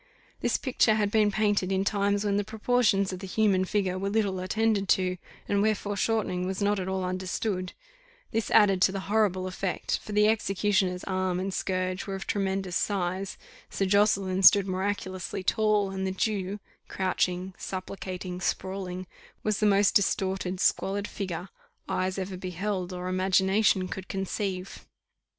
This picture had been painted in times when the proportions of the human figure were little attended to, and when foreshortening was not at all understood: this added to the horrible effect, for the executioner's arm and scourge were of tremendous size; Sir Josseline stood miraculously tall, and the Jew, crouching, supplicating, sprawling, was the most distorted squalid figure, eyes ever beheld, or imagination could conceive.